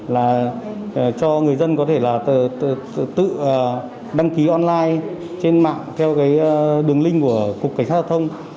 là cho người dân có thể là tự đăng ký online trên mạng theo cái đường link của cục cảnh sát giao thông